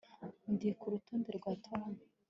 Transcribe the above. Ndi kurutonde rwa Tom